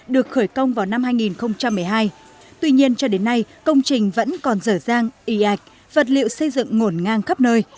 được khởi công vào năm hai nghìn một mươi hai tuy nhiên cho đến nay công trình vẫn còn dở dang y ạch vật liệu xây dựng ngổn ngang khắp nơi